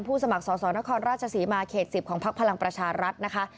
สมัครสอสอนครราชศรีมาเขต๑๐ของพักพลังประชารัฐนะคะ